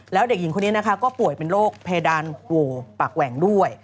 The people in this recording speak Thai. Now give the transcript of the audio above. แล้วเด็กหญิงคนนี้นะคะก็ป่วยเป็นโรคเพดานโหวปากแหว่งด้วย